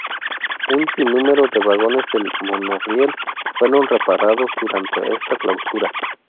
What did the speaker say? Un sinnúmero de vagones del monorriel fueron reparados durante esta clausura.